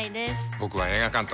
僕は映画監督。